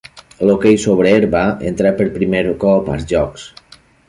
L'hoquei sobre herba entrà per primer cop als Jocs.